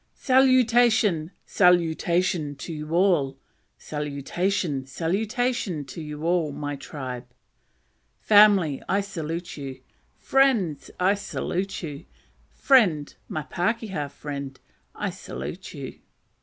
"Salutation! salutation to you all! salutation! salutation to you, my tribe! family, I salute you! friends, I salute you! friend, my pakeha friend, I salute you."